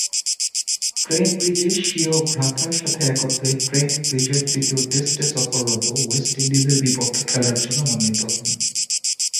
Trent ব্রিজে স্বীয় ভ্রাতার সাথে একত্রে ট্রেন্ট ব্রিজের তৃতীয় টেস্টে সফররত ওয়েস্ট ইন্ডিজের বিপক্ষে খেলার জন্যে মনোনীত হন।